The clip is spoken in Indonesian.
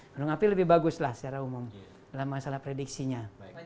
gunung api lebih baguslah secara umum dalam masalah prediksinya